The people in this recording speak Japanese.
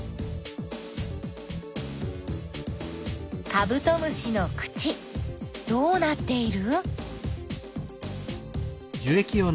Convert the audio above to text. カブトムシの口どうなっている？